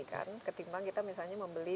kan ketimbang kita misalnya membeli